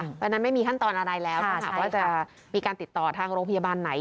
เพราะฉะนั้นไม่มีขั้นตอนอะไรแล้วถ้าหากว่าจะมีการติดต่อทางโรงพยาบาลไหน